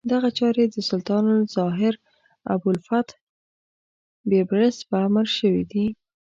دغه چارې د سلطان الظاهر ابوالفتح بیبرس په امر شوې دي.